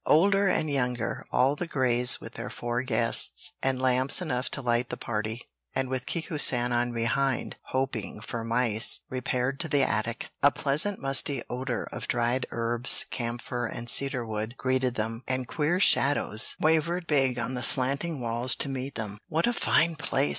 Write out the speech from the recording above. Older and younger, all the Greys with their four guests, and lamps enough to light the party, and with Kiku san on behind, hoping for mice, repaired to the attic. A pleasant musty odor of dried herbs, camphor, and cedar wood greeted them, and queer shadows wavered big on the slanting walls to meet them. "What a fine place!"